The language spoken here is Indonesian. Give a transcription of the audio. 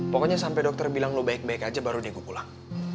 pokoknya sampai dokter bilang lo baik baik aja baru dia gue pulang